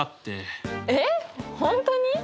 えっ本当に？